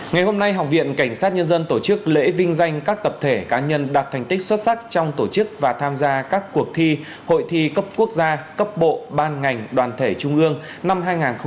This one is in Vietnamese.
ngày hôm nay học viện cảnh sát nhân dân tổ chức lễ vinh danh các tập thể cá nhân đạt thành tích xuất sắc trong tổ chức và tham gia các cuộc thi hội thi cấp quốc gia cấp bộ ban ngành đoàn thể trung ương năm hai nghìn hai mươi